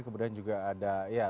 kemudian juga ada